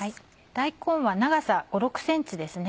大根は長さ５６ｃｍですね。